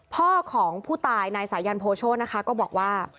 พ่อของผู้ตายนายสายันโพโชธนะคะก็บอกว่า